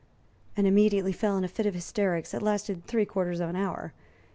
and immediately fell in a fit of hysterics that lasted three quarters of an hour.